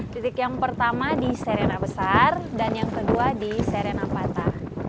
titik yang pertama di serena besar dan yang kedua di serena pata